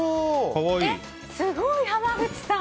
すごい、濱口さん！